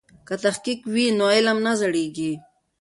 که تحقیق وي نو علم نه زړیږي.